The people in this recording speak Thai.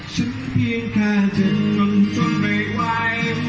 ฉันเพียงแค่จะนอนจนไม่ไหว